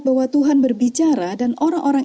bahwa tuhan berbicara dan orang orang